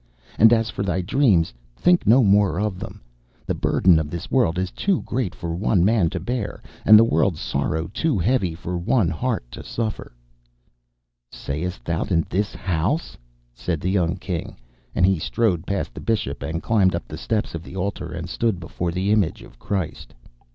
And as for thy dreams, think no more of them. The burden of this world is too great for one man to bear, and the world's sorrow too heavy for one heart to suffer.' 'Sayest thou that in this house?' said the young King, and he strode past the Bishop, and climbed up the steps of the altar, and stood before the image of Christ.